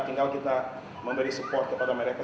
tinggal kita memberi support kepada mereka